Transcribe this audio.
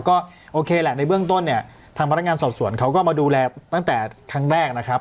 ก็โอเคแหละในเบื้องต้นเนี่ยทางพนักงานสอบสวนเขาก็มาดูแลตั้งแต่ครั้งแรกนะครับ